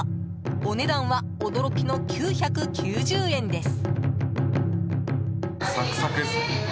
お値段は、驚きの９９０円です。